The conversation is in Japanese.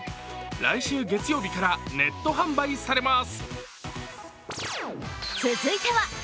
来週月曜日からネット販売されます。